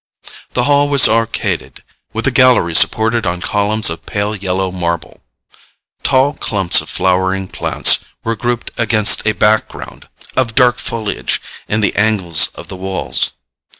The hall was arcaded, with a gallery supported on columns of pale yellow marble. Tall clumps of flowering plants were grouped against a background of dark foliage in the angles of the walls.